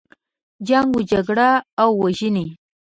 جنګ و جګړه او وژنې.